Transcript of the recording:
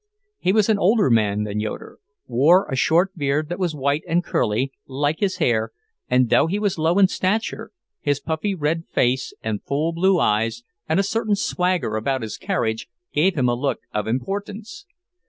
He was an older man than Yoeder, wore a short beard that was white and curly, like his hair, and though he was low in stature, his puffy red face and full blue eyes, and a certain swagger about his carriage, gave him a look of importance.